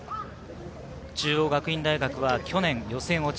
中央学院大学は去年予選落ち。